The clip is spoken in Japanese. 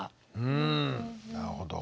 うんなるほど。